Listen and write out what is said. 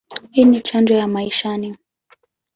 Hii ni chanjo ya maishani.